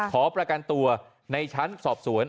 ขอประกันตัวในชั้นสอบสวน